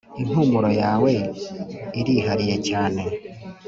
impumuro yawe irihariye cyane